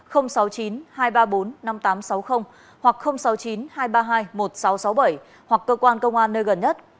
hoặc sáu mươi chín hai trăm ba mươi hai một nghìn sáu trăm sáu mươi bảy hoặc cơ quan công an nơi gần nhất